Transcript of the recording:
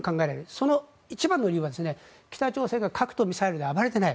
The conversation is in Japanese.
その一番の理由は北朝鮮が核とミサイルで暴れていない。